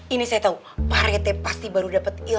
ini saya tau pak rete pasti baru dapet ilham